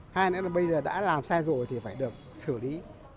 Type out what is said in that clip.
hai nữa là bây giờ đã làm sai rồi thì phải được xử lý